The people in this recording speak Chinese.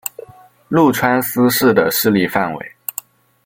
麓川思氏的势力范围。